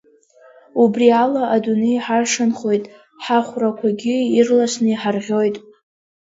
Убри ала адунеи ҳаршанхоит, ҳахәрақәагьы ирласны иҳарӷьоит.